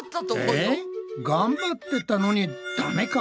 え頑張ってたのにダメか？